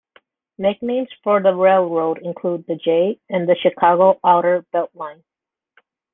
Nicknames for the railroad included "The J" and "The Chicago Outer Belt Line".